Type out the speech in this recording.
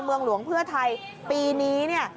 เมืองหลวงเพื่อไทยปีนี้เนี่ย